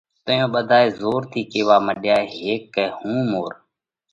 تئيون ٻڌائي زور ڪروا مڏيا هيڪ ڪئہ هُون مور